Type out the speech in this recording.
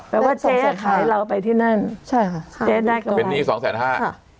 แปลว่าเจ๊อ่ะขายเราไปที่นั่นใช่ค่ะเป็นนี่สองแสนห้าค่ะ